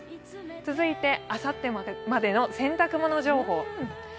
続いてあさってまでの洗濯物情報。